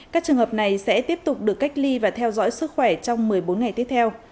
các trường hợp này sẽ tiếp tục được cách ly và theo dõi sức khỏe trong một mươi bốn ngày tiếp theo